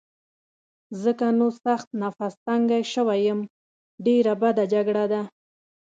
ځکه نو سخت نفس تنګی شوی یم، ډېره بده جګړه ده.